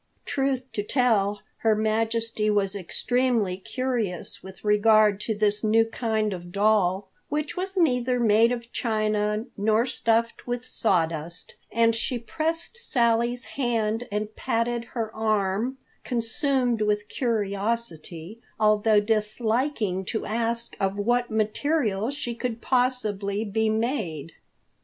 Truth to tell, Her Majesty was extremely curious with regard to this new kind of doll, which was neither made of china nor stuffed with sawdust, and she pressed Sally's hand and patted her arm, consumed with curiosity, although disliking to ask of what material she could possibly be made.